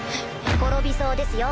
転びそうですよ